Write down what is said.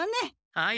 はい。